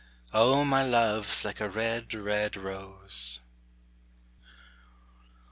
O, MY LUVE'S LIKE A RED, RED ROSE.